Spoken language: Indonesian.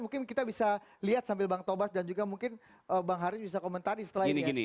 mungkin kita bisa lihat sambil bang tobas dan juga mungkin bang haris bisa komentari setelah ini ya